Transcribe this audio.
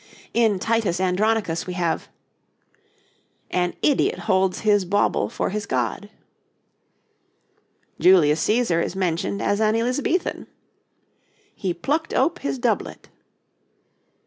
In 'Titus Andronicus' we have: 'An idiot holds his bauble for his God.' Julius Cæsar is mentioned as an Elizabethan: 'He plucked ope his doublet.'